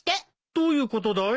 どういうことだい？